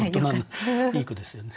いい句ですよね。